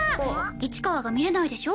市川が見れないでしょ。